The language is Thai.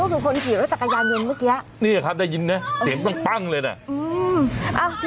โอ้วมันยิงมา